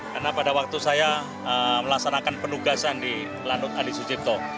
karena pada waktu saya melaksanakan penugasan di lanut alisujipto